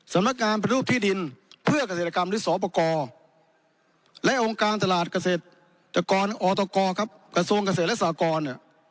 สำนักงานรูปที่ดินเพื่อกเกษตรกรรมฤทธิ์สอบกร